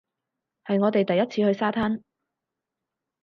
係我哋第一次去沙灘